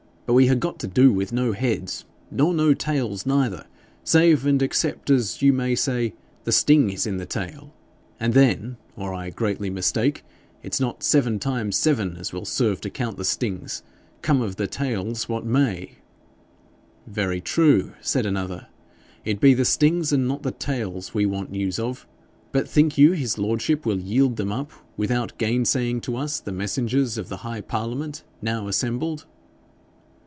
But we ha'got to do with no heads nor no tails, neither save and except as you may say the sting is in the tail; and then, or I greatly mistake, it's not seven times seven as will serve to count the stings, come of the tails what may.' 'Very true,' said another; 'it be the stings and not the tails we want news of. But think you his lordship will yield them up without gainsaying to us the messengers of the High Parliament now assembled?'